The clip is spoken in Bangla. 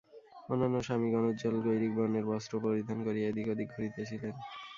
অন্যান্য স্বামিগণ উজ্জ্বল গৈরিক-বর্ণের বস্ত্র পরিধান করিয়া এদিক ওদিক ঘুরিতেছিলেন।